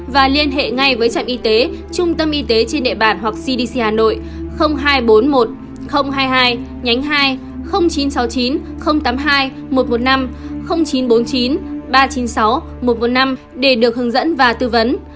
và liên hệ ngay với trạm y tế trung tâm y tế trên địa bản hoặc cdc hà nội hai trăm bốn mươi một hai mươi hai nhánh hai chín trăm sáu mươi chín tám mươi hai một trăm một mươi năm chín trăm bốn mươi chín ba trăm chín mươi sáu một trăm một mươi năm để được hướng dẫn và tư vấn